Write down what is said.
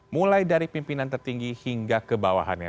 mulai dari pimpinan tertinggi hingga ke bawahannya